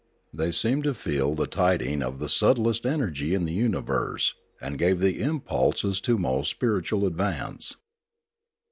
They seemed to feel the tiding of the subtlest energy in the universe, and gave the impulses to most spiritual advance.